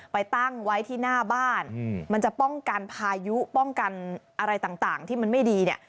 ไปตั้งไว้ที่หน้าบ้านมันจะป้องกันพายุป้องกันอะไรต่างที่มันไม่ดีเนี่ย